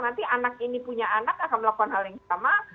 nanti anak ini punya anak akan melakukan hal yang sama